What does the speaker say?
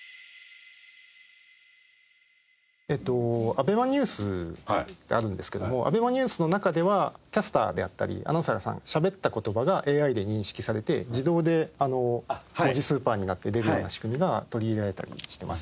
『ＡＢＥＭＡＮＥＷＳ』ってあるんですけども『ＡＢＥＭＡＮＥＷＳ』の中ではキャスターであったりアナウンサーさんがしゃべった言葉がＡＩで認識されて自動で文字スーパーになって出るような仕組みが取り入れられたりもしてます。